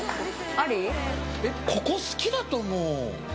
ここ好きだと思う。